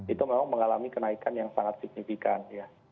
itu memang mengalami kenaikan yang sangat signifikan ya